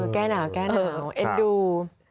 แก้หนาวแก้หนาวเอ็นดู